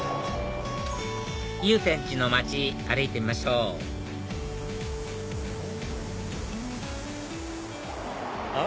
祐天寺の街歩いてみましょうあ